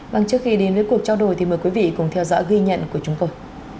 vâng trước khi đến với cuộc trao đổi thì mời quý vị cùng theo dõi ghi nhận của chúng tôi